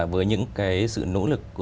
với những sự nỗ lực